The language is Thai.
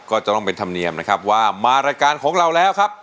ก็จะต้องเป็นธรรมเนียมนะครับว่ามารายการของเราแล้วครับ